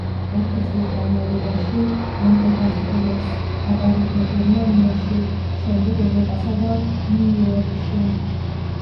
ოთხი წლის განმავლობაში ანტე გასტროლებს ატარებდა გერმანიაში, შემდეგ ევროპასა და ნიუ-იორკში.